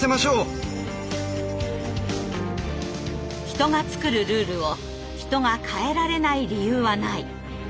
人が作るルールを人が変えられない理由はない。